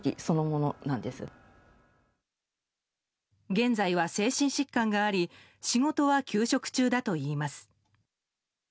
現在は精神疾患があり仕事は休職中だといいます。